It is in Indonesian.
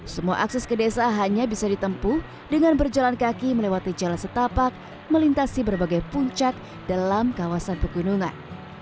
semua akses ke desa hanya bisa ditempuh dengan berjalan kaki melewati jalan setapak melintasi berbagai puncak dalam kawasan pegunungan